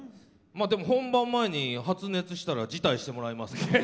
でも、本番前に発熱したら辞退してもらいますけどね。